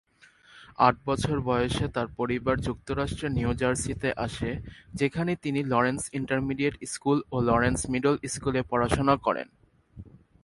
আট বছর বয়সে তার পরিবার যুক্তরাষ্ট্রের নিউ জার্সিতে আসে, যেখানে তিনি লরেন্স ইন্টারমিডিয়েট স্কুল ও লরেন্স মিডল স্কুলে পড়াশোনা করেন।